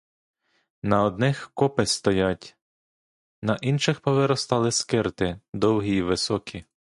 На одних копи стоять, на інших повиростали скирти, довгі й високі.